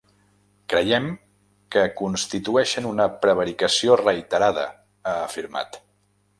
Creiem que constitueixen una prevaricació reiterada, ha afirmat.